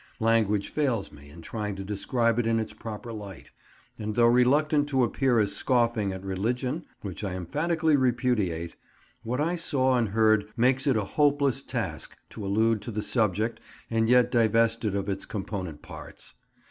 Language fails me in trying to describe it in its proper light; and though reluctant to appear as scoffing at religion—which I emphatically repudiate—what I saw and heard makes it a hopeless task to allude to the subject and yet divest it of its component parts.